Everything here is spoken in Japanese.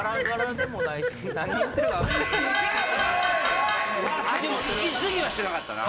でも息つぎはしてなかったな。